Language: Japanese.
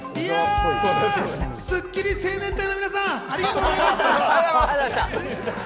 スッキリ青年隊の皆さん、ありがとうございました。